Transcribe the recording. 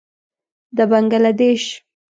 د بنګله دېش.